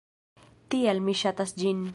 Tial mi ŝatas ĝin.